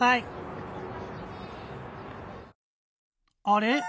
あれ？